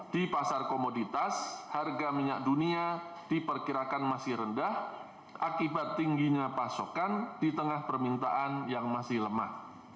di pasar komoditas harga minyak dunia diperkirakan masih rendah akibat tingginya pasokan di tengah permintaan yang masih lemah